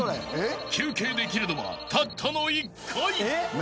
［休憩できるのはたったの１回］